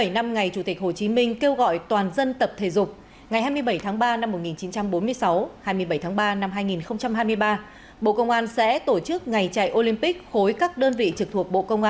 bảy mươi năm ngày chủ tịch hồ chí minh kêu gọi toàn dân tập thể dục ngày hai mươi bảy tháng ba năm một nghìn chín trăm bốn mươi sáu hai mươi bảy tháng ba năm hai nghìn hai mươi ba bộ công an sẽ tổ chức ngày chạy olympic khối các đơn vị trực thuộc bộ công an